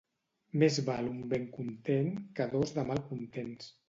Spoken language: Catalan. Més val un ben content que dos de mal contents.